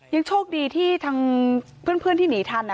ยังโชคดีที่ทางเพื่อนที่หนีทัน